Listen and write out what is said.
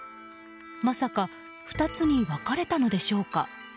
まさか２つに分かれたのでしょうか。